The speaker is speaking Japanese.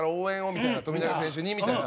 みたいな「富永選手に」みたいな。